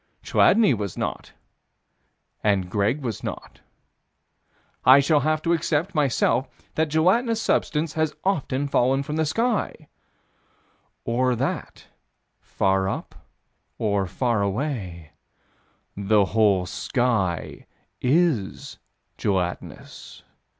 Chladni was not, and Greg was not. I shall have to accept, myself, that gelatinous substance has often fallen from the sky Or that, far up, or far away, the whole sky is gelatinous?